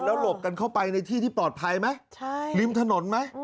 หลบกันเข้าไปในที่ที่ปลอดภัยไหมริมถนนไหม